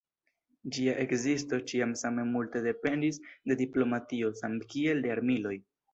Ĝia ekzisto ĉiam same multe dependis de diplomatio samkiel de armiloj.